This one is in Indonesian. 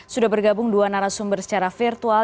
sudah bergabung dua narasumber secara virtual